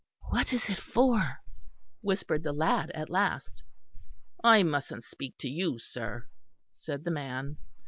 "What is it for?" whispered the lad at last. "I mustn't speak to you, sir," said the man.